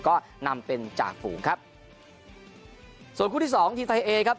ก็นำเป็นจ่าฝูงครับส่วนคู่ที่สองทีมไทยเอครับ